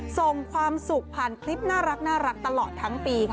ส่งความสุขผ่านคลิปน่ารักตลอดทั้งปี